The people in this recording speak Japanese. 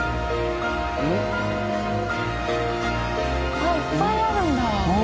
あっいっぱいあるんだ！